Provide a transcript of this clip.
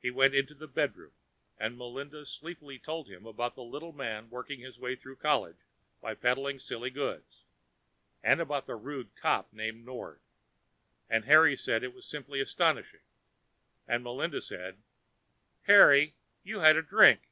He went into the bedroom and Melinda sleepily told him about the little man working his way through college by peddling silly goods, and about that rude cop named Nord, and Harry said that was simply astonishing and Melinda said, "Harry, you had a drink!"